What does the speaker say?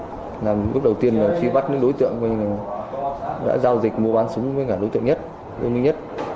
chúng tôi làm bước đầu tiên là trí bắt những đối tượng đã giao dịch mua bán súng với cả đối tượng nhất